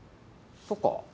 そっか。